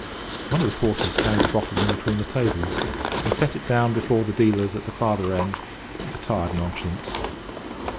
One of the porters carried the bottle in between the tables, and set it down before the dealers at the farther end with a tired nonchalance.